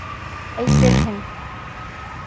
Әйтерһең!